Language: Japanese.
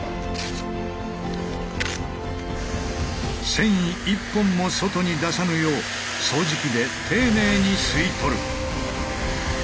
繊維一本も外に出さぬよう掃除機で丁寧に吸い取る。